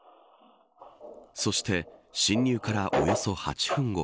そして侵入からおよそ８分後。